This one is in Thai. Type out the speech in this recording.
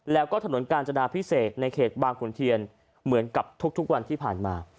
แล้วก็ถนนกาญจนาพิเศษในเขตบางขุนเทียนเหมือนกับทุกวันที่ผ่านมา